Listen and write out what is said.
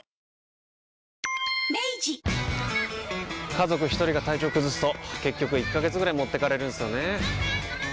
家族一人が体調崩すと結局１ヶ月ぐらい持ってかれるんすよねー。